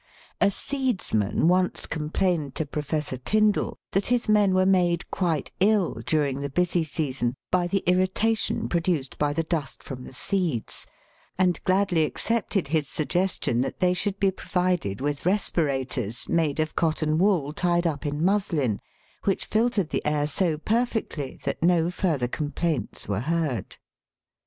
A seedsman once complained to Professor Tyndall that his men were made quite ill during the busy season by the irritation produced by the dust from the seeds, and gladly accepted his suggestion that they should be provided with respirators made of cotton wool tied up in muslin, which filtered the air so perfectly that no further complaints were heard.